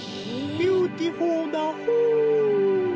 ビューティホーだホー。